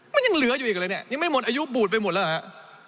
มันยังเหลืออยู่อีกเลยเนี่ยยังไม่หมดอายุบูดไปหมดแล้วเหรอฮะ